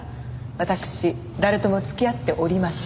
わたくし誰とも付き合っておりません。